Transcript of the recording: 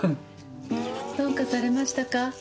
どうかされましたか？